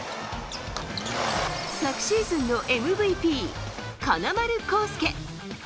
昨シーズンのＭＶＰ金丸晃輔。